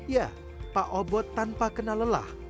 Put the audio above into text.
ya pak obot tanpa kena lelah